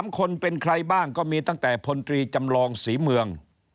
๓คนเป็นใครบ้างก็มีตั้งแต่พลตรีจำลองศรีเมือง